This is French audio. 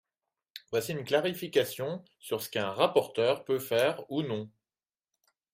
Voici une clarification sur ce qu’un rapporteur peut faire ou non.